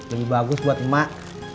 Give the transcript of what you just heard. lebih bagus buat mak